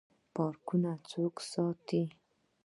پارکونه څوک ساتي؟